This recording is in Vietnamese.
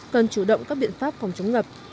cần chủ động các biện pháp phòng chống ngập